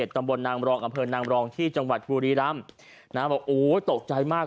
กำเผินนางรองที่จังหวัดภูรีรัมนะบอกโอ้ตกใจมาก